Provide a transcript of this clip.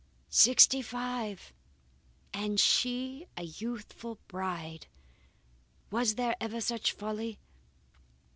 Sixty five! and she a youthful bride! Was there ever such folly!